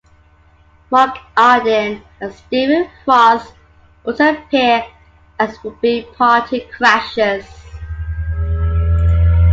Mark Arden and Stephen Frost also appear as would-be party-crashers.